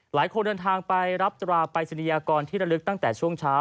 หลายคนเดินทางไปรับตราปรายศนียากรที่ระลึกตั้งแต่ช่วงเช้า